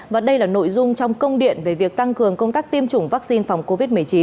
và đây là nội dung trong công điện về việc tăng cường công tác tiêm chủng vaccine phòng covid một mươi chín